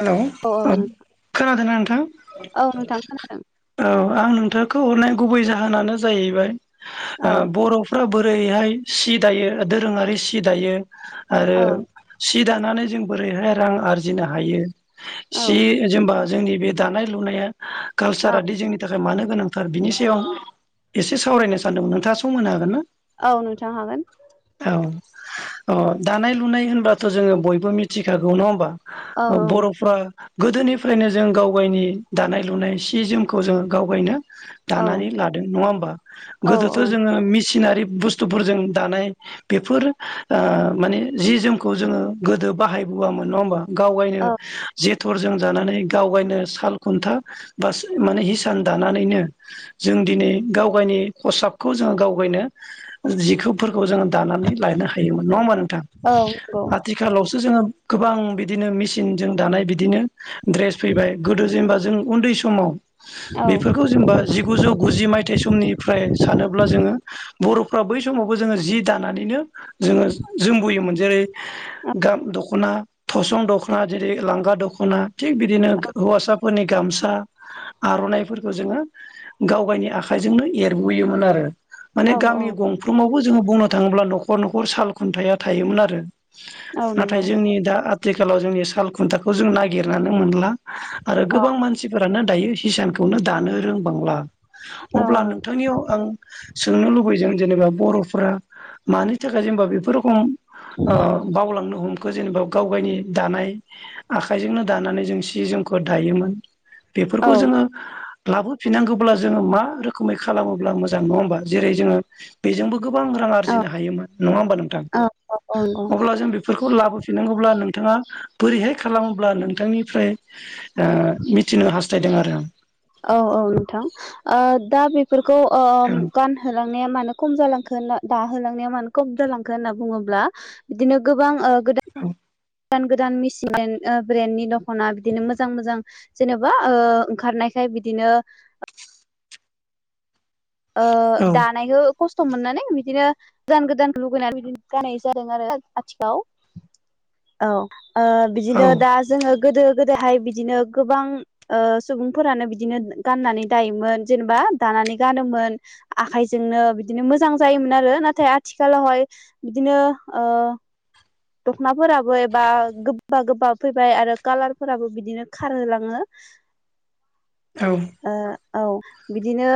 हेल' औ खोनादोंना नोंथां औ नोंथां खोनादों औ आं नों थांखौ हरनाय गुबै जाहोनानो जाहैबाय औ ओ बर'फ्रा बो बोरैहाय सि दायो दोरोंङारि सि दायो आरो औ सि दानानै जों बोरैहाय रां आरजिनो हायो सि औ जेनेबा जोंनि बे दानाय लुनाया औ कालसारादि जोंनि थाखाय मानो गोनांथार बिनि सायाव आं एसे सावरायनो सानदों नोंथांङा समनो हागोन ना औ नोंथां हागोन औ अ दानाय लुनाय होनबाथ जोंङो बयबो मिथिखागौ नंङा होमबा औ बरफ्रा गोदोनि फ्रायनो जों गाव गावनि दानाय लुनाय सि जोमखौ जों गाव गायनो औ दानानै लादों नङा होमबा गोदोथ जोंङो मिसिनारि बुस्थुफोरजों दानाय बेफोर ओ माने जि जोमखौ जोंङो गोदो बाहाय बोआमोन नंङा होमबा गाव गायनो औ जित र जों जानानै गाव गायनो साल खुन्था बा माने हिसान दानानैनो जों दिनै गाव गावनि खसाबखौ जोंङो गाव गायनो जिखौ फोरखौ जोंङो दानानै लायनो हायोमोन नंङा होनबा नोंथां औ आथिखालाव जोंङो गोबां बिदिनो मेसिनजों दानाय बिदिनो द्रेस फैबाय गोदो जेनेबा जों उन्दै समाव बेफोरखौ जेनबा जिगुजौ गुजि मायथाइ समनिफ्राय सानोब्ला जोंङो बर'फ्रा बै समावबो जोंङो जि दानानैनो जोंङो जोमबोयोमोन जेरै गाम दखना थसं दखना जेरै लांगा दखना थिग बिदिनो हौवासाफोरनि गामसा आरनाइफोरखौ जोंङो गाव गावनि आखाइजोंनो एरबोयोमोन आरो माने औ गामि गंफ्रोमावबो जोंङो बुंनो थाङोब्ला नखर नखर साल खुन्थाया थायोमोन आरो औ नाथाय नंगौ जोंनि दा आथिखालाव जोंनि साल खुन्थाखौ जों नागिरनानै मोनला आरो औ गोबां मानसिफोरानो दायो हिसानखौनो दानो रोंबांला औ अब्ला नोंथांनियाव आं सोंनो लुबैदों जेनेबा बरफोरा मानि थाखाय जेनेबा बेफोर रोखम ओ बावलांनो हम जोंखौ जेनेबा गाव गायनि दानाय आखाइजोंनो दानानै जों सि जोमखौ दायोमोन औ बेफोरखौ जोंङो लाबोफिननांगौब्ला जोंङो मा रोखोमै खालामोब्ला मोजां नंङा होमबा जेरै जोंङो बेजोंबो गोबां रां नंगौ आरजिनो हायोमोन नंङा होमबा नोंथां औ औ नंगौ अब्ला जों बेफोरखौ लाबोफिननांगौब्ला नोंथांङा बोरैहाय खालामोब्ला नोंथांनिफ्राय ओ मिथिनो हास्थायदों आरो आं औ औ नोंथां ओ दा बेफोरखौ ओ आं गानहोलांनाया मानो खम जालांखो होन दाहोलांनाया मानो खम जालांखो होनना बुंङोब्ला बिदिनो गोबां ओ गोदान गोदान गोदान मिसिन ओ ब्रेन्डनि दख'ना बिदिनो मोजां मोजां जेन'बा ओ ओंखारनायखाय बिदिनो ओ औ दानायखौ खस्थ मोननानै बिदिनो गोदान गोदान लुगैनानै बिदि गानाय जादों आरो आथिखालाव औ ओ बिदिनो दा जोंङो गोदो गोदायहाय बिदिनो गोबां ओ सुबुंफोरानो बिदिनो गाननानै दायोमोन जेनेबा दानानानै गानोमो मोन आखाइजोंनो बिदिनो मोजां जायोमोन आरो नाथाय आथिखालावहाय बिदिनो ओ ओ दखनाफोराबो एबा गोबा गोबा फैबाय आरो कालारफोराबो बिदिनो खारहोलाङो [inaudible] औ ओ औ बिदिनो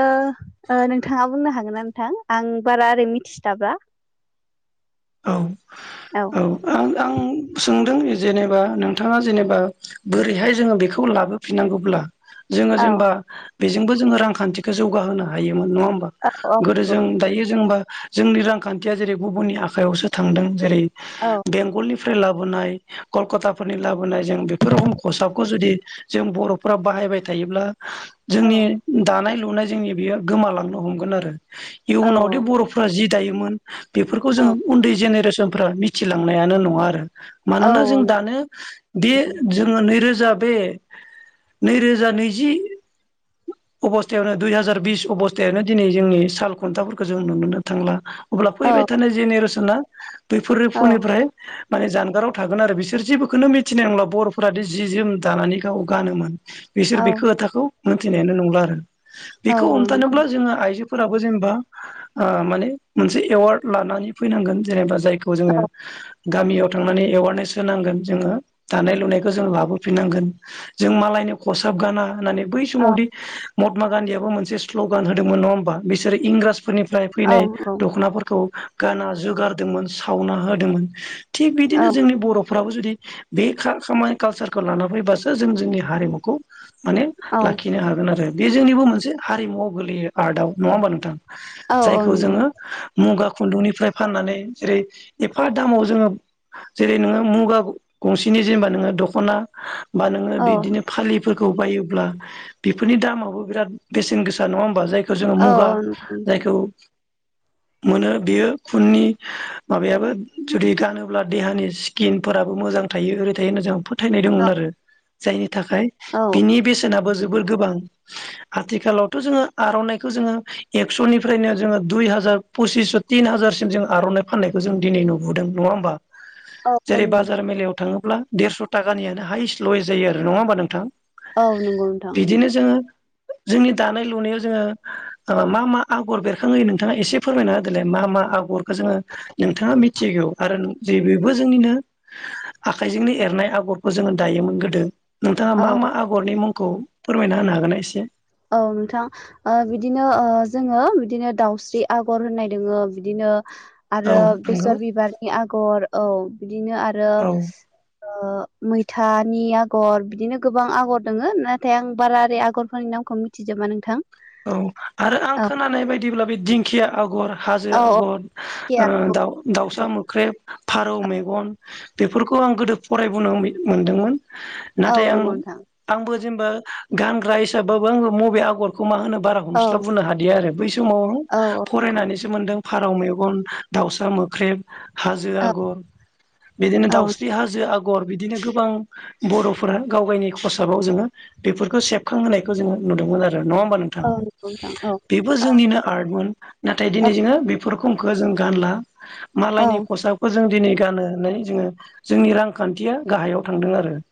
ओ नोंथांङा बुंनो हागोनना नोंथां आं बारा ओरै मिथिस्लाबा औ औ आं आं सोंदों जों जेनेबा नोंथांङा जेनेबा बोरैहाय जोंङो बेखौ लाबोफिननांगौब्ला जोंङो औ जेनेबा बेजोंबो जोंङो रांखान्थिखौ जौगाहोनो हायो नङा होमबा औ गोदो जों दायो जोंबा जोंनि रांखान्थिया जेरै गुबुननि आख आखायावसो थांदों जेरै बेंगलनि फ्राय लाबोनाय कलकाताफोरनि लाबोनाय जों बेफोर रखम खसाबखौ जुदि जों बर'फोरा बाहाय बाहायबाय थायोब्ला जोंनि दानाय लुनाय जोंनि बेयो गोमालांनो हमगोन आरो। इयुनावदि बर'फ्रा जि दायोमोन बेफोरखौ जोङो उन्दै जेनेरेसनफ्रा मिथिलांनायानो नङा आरो। मानोना जों दानो गे जोङो नैरोज रोजा बे नै रोजा नैजि अबस्थायावनो दुइ हाजार बिस अबस्थायावनो दिनै जोंनि साल खुन्थाफोरखौ जों नुनोनो थांला। अब्ला फैबाय थानाय जेनेरेसना बैफोर रिफुनिफ्राय माने जानगाराव थागोन आरो बिसोर जेबोखौनो मिथिनाय नंला बर'फोरााद जि जोम दानानै गाव गानोमोन। बिसोर बेखौ खोथाखौ मोनथिनायानो नंला आरो बेखौ हमथानोब्ला जोङो आइजो फोराबो जेनेबा माने मोनसे एवार्ड लानानै फैनांगोन जेनेबा जायखौ जोङो गामियाव थांनानै एवारनेस होनांगोन जोङो दानाय लुनायखौ जोङो लाबोफिननांगोन जों मालाय माने खसाब गाना होननानै बै समावदि महात्मा गान्धीयाबबो मोनसे स्ल'गान होदोंमोन नङ होमबा बिसोर‌ इंराज फोरनिफ्राय फैनाय दख'नाफोरखौ गाना जुगारदोंमोन सावना होदोंमोन। थिग बिदिनो जोंनि बर' फोराबो जुदि बे खा-खामानि कालसारखौ लाना फैबासो जों जोंनि हारिमुखौ माने लाखिनो हागोन आरो बे जोंनिबो मोनसे हारिमुवआव गोलैयो आर्टआव नङा होमबा नोंथां। जायखौ जोङो मुगा खुन्दुंनिफ्राय फाननानै जेरै एफा दामाव जोङो जेरै नोङो मुगा गंसेनि जेनेबा नोङो दख'ना बा नोङो बिदिनो फालि फोरखौ बायोब्ला बेफोरनि दामाबो‌ बिराद बेसेन गोसा नङा ओमबा जाय खौ जोङो मुगा जायखौ मोनो। बेयो खुननि माबायाबो जुदि गानोब्ला देहानि स्किनफोराबो मोजां थायो। मोजाय थायो होनना जोंहाबो फोथायनाय दमोन आरो जायनि थाखाय बिनि बेसेना जोबोर गोबांआथिखालावथ' जोङो‌ आरन्नायखो जोङो एकस निफ्रायनो जोङो दुय हाजार पसिस तिन हाजारसिम जों आर'नाइ फाननायखौ जों दिनै नुबोदों नङा होमबा जेरै बाजार मेलायाव थाङोब ब्ला देरस' थाखाानिय हायेस लयेस्ट जायो आरो नङा होमबा नोंथां। औ नंगौ नोंथां। बिदिनो जोङो जोंनि दानाय लुनायाव जोङो ओ मा मा आगर बेरखाङो नोंथाङा एसे फोरमायना होदो। देलाय मा मा आगरखौ जोङो नोंथाङा मिथिगौ आरो जे बेबो जोंनिनो आखाइजोंनो एरनाय आगरखौ जोङो दायोमोन गोदो। नोंथाङा औ मा मा आगरनि मुंखौ फोरमायना होनो हागोन ना एसे औ नोंथां बिदिनो जोङो बिदिनो दाउस्रि आगर होननाय दोङो बिदिनो औ आरो नंगौ बेसर बिबारनि आगर औ बिदिनो आरो। औ ओ मैथानि आगर बिदिनो गोबां आगर दङ नाथाय आं बारा ओरै आगरफोरनि नाम खौ मिथिजोबा नोंथां औ आरो आं औ खोनानाय बायदिब्ला बे दिंखिया आगर हाजो औ आगर आगर दाउ दाउसा मोख्रेब फारौ मेगन बेफोरखौ आं गोदो फरायबोनो मोनदोंमोन। औ नाथाय आं नंगौ नोंथां आंबो जेनेबा गानग्रा हिसाबाबो आं बबे आगरखौ मा होनोब बारा औ हमस्लाबबोनो हादि आरो बै समाव औ नंगौ फरायनानैसो मोनदों। फारौ मेगन दाउसा मोख्रेब। हाजो औ आगर बिदिनो औ दाउस्रि हाजो आगर। आगर बिदिनो गोबां बर'फोरा गाव गायनि खसाबाव जोङो बेफोरखौ सेबखांहोनायखौ जोङो नुदोंमोन आरो। नङा होमबा नोंथां औ नंगौ नोंथां औ बेबो जोंनिनो आर्टमोन नाथाय औ दिनै जोङो बेफोर खमखौ जों गानला औ मालायनि खसाबखौ जों दिनै गान [unintelligible] होननानै जोङो जोंनि रांखान्थिया गाहायाव थांदों आरो ।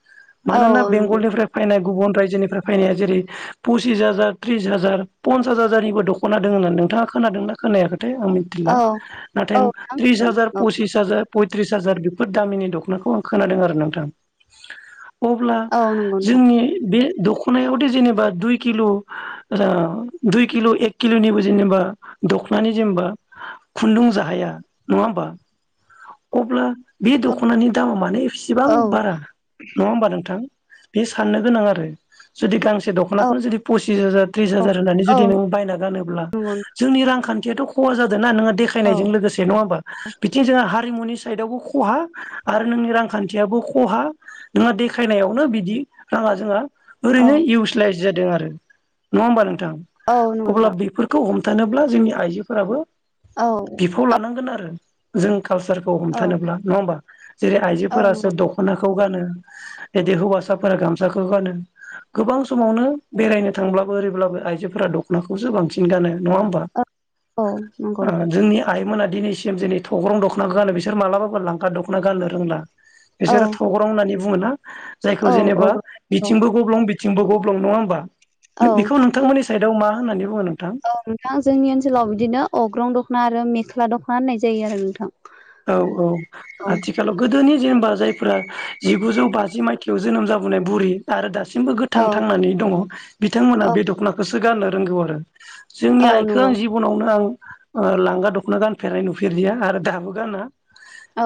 औ मानोना नंगौ बेंगलनिफ्राय फैनाय गुबुन रायजोनिफ्राय फैनाया जेरै पसिस हाजार त्रिस हाजार पन्सास हाजारनिबो दख'ना द होननानै नोंथाङा खोनादोंना खोनायाखै? नाथाय आं मिथिला औ नाथाय औ नोंथां त्रिस हाजार खोनादों औ फसिस हाजार पयथ्रिस हाजार बेफोर दामिनि दख'नाखौ आं खोनादों आरो नोंथां । अब्ला औ नंगौ नोंथां जोंनि बे दख'नायावथ' जेनेबा दुइ किल' दुइ किल' एक किल'निबो जेनेबा दख'नानि जेनेबा खुन्दुं जाहाय नङा होमबा अब्ला बे औ दख'नानि दामा मानोे इसेबां औ बारा नङा होमबा नोंथां? बे साननो गोनां आरो जुदि गांसे दख'नाखौनो जुदि पसिस हाजार त्रिस हाजार औ जुदि होननानै बायना गानोब्ला नंगौ जोंनि रांखान्थि आथ खहा जादों ना औ देखनायजों लोगोसे नङा हबा बिथिं जोहा हारिमुनि साइदावबो खहा आरो नोंनि रांखान्थियाबो खहा नोंहा देखायनायावनो बिदि राङा जोंहा औ ओरैनो इउसलाइस जादों आरो नङा होमबा नोंथां? औ नंगौ अब्ला नोंथां बेफोरखौ हम थानोब्ला जोंनि आइजोफोराबो औ बिफाव लानांगोन आरो जों कालसारखौ औ हमथानोब्ला नङा होमबा? जेरै औ आइजोफोरासो नंगौ दख'नाखौ गानो बिदि हौवासाफोरा गामसाखौ गानो गोबां समावनो बेरायनो थांब्लाबो ओरैब्लाबो आइजोफोरा दख'नाखौसो बांसिन गानो नङा होमबा? औ नंगौ । दायोमोना दिनैसिम दिनै थग्रं दख'नाखौ गानो बिसोर मालाबाबो लांखा दखना गाननो रोंला । औ बिसोरो थग्रं होननानै बुङोना जायखौ जेनेबा औ बिथिंबो गब्लं बि थिंबो गब्लं नङा होमबा औ बेखौ नोंथांमोननि साइडआव मा होननानै बुङो? नोंथां? औ नोंथां जोंनि ओनसोलाव बिदिनो अग्रं दख'ना आरो मेख्ला दख'ना होननाय जायो आरो नोंथां । औ औ आथिखालाव गोदोनि जबा जायफोरा जिगुजौ बाजि मायथयाव जोनोम जाबोनाय बुरि आरो द दासिमबो गोथां औ थांनानै दङ बिथांमोना औ बे दख'नाखौसो गाननो रोंगौ आरो जोंनि औ आइखौ नंगौ आं जिबनावनो आं लांगा दखना गानफेरनाय नुफेरजया आरो दाहाबो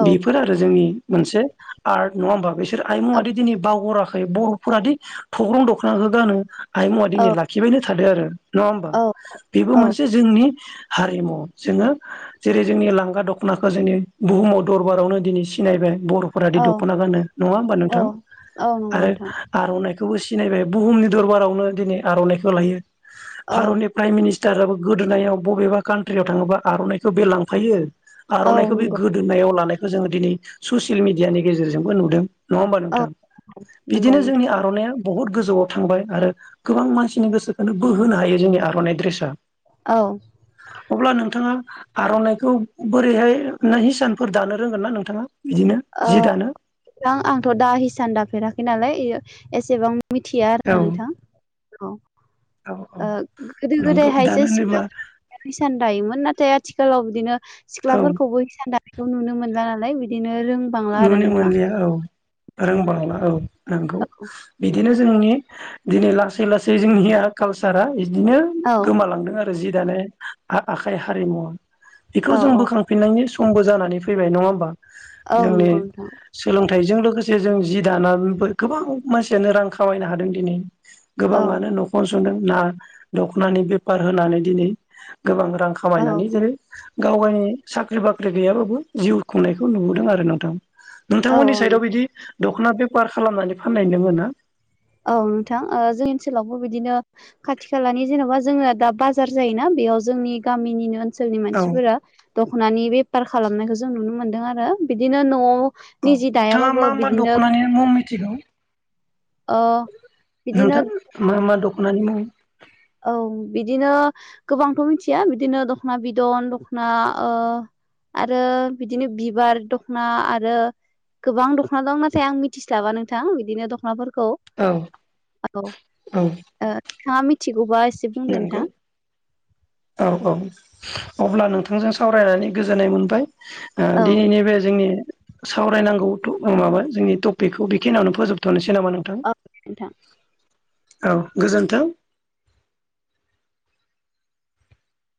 औ आरो जोंनि मोनसे आर्ट नङा हानबा? बिसोर औ आइमुआादि दिनै बावगराखै बर'फोराादि थग्रं दखनाखौ गानो आइ मुवा औ दिनै लाखिबायनो थादों आरो नङा होमबा बेबो औ मोनसे जोंनि हारिमु जोङो जेरै जोंनि लांगा दख'नाखौ गो जोंनि बुहुमाव दरबारावनो दिनै सिनायबाय बर'फोरााद औ दख'ना गानो नङा होमबा औ नोंथां नंगौ आरो नोंथां आर'नाइखौबो सिनायबाय बुहुमनि दरबारावनो दिनै आर'नाइखौ लायो औ भारतनि प्राइम मिनिस्टार सटाराबो गोदोनायाव बबेबा कान्ट्रियाव थाङोबा आर'नाइखौ बे लांफायो औ आर'नाखौ बे नंगौ गोदोननायाव लानायखौ जोङो दिनै ससियेल मिडियानि गेजेरजोंबो नुदों । नङा होमबा औ नोंथां नंगौ बिदिनो जोंनि नोंथां आर'नाइया बहुत गोजौआव थांबाय आरो गोबां मानसिनि गोसोखौनो बोहोनो हायो जोंनि आर'नाइ ड्रेसा औ अब्ला नोंथाङा आर'नाइखौ बोरैहाय नों हिसानफोर दानो रोंगोन ना नोंथांङा? औ आंथ' दा हिसान दाफेराखै नालाय एसेबां मिथिया औ आरो नोंथां औ औ गोदो नंगौ गोदायहायसो दानो होनोबा सिख्लाफोराैसान दायोमोन नाथाय आथिखालाव बिदिनो औ सिख्लाफोरखौबो हिसान दानायखौ नुनो मोनला नालाय बिदिनो रोंबांला आरो नुनो नोंथां मोनलिया औ रोंबांला औ नंगौ औ बिदिनो जोंनि दिनै लासै लासै जोंनिया कालसारा बिदिनो औ गोमालांदों आरो जि दानाय आखाइ हारिमुवा । बेखौ औ जों औ बोखांफिननायनि समबो जानानै फैबाय नंङा होमबा औ जोंनि नंगौ नोंथां सोलों थाइजों लोगोसे जों जि दानानै गोबां मानसियानो रां खामायनो हादों दिनै औ गोबांङानो न'खर संदों ना दख'नानि बेफार होनानै दिनै गोबां रां औ खामायनानै जेरै गाव गावनि साख्रि बाख्रि गैयाबाबो जिउ खुंनायखौ नुबोदों आरो नोंथां औ नोंथांमोननि साइदआव नंगौ बिदि दख'ना बेफार खालामनानै फाननाय दोंङोना औ नोंथां जोंनि ओनसोलावबो बिदिनो खाथि खालानि जेन'बा जोंङो दा बाजार जायोना बेयाव जोंनि गामिनिनो ओनसोलनि औ मानसिफोरा दख'नानि बेफार खालामनायखौ जों नुनो मोनदों आरो बिदिनो न'आव औ निजि नोंथांङा दायाबाबो मा मा बिदिनो दख'नानि मुं मिथिगौ ओ बिदिनो नोंथां मा मा दख'नानि मुं औ बिदिनो गोबांथ' मिथिया बिदिनो दख'ना बिदन दख'ना आरो बिदिनो बिबार दख'ना आरो गोबां दख'ना दं नाथाय आं मिथिस्लाबा नोंथां बिदिनो दख'नाफोरखौ औ औ औ नोंथां नोंथाङा आं मिथिगौ बा एसे बुंदो नंगौ औ औ अब्ला नोंथांजों सावरायनानै गोजोननाय मोनबाय औ दिनैनि बे जोंनि सावरायनांगौ माबा जोंनि टपिकखौ बेखिनियावनो फोजोबथ'नोसै नामा नोंथां नोंथां औ गोजोन्थों